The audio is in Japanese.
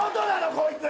こいつ。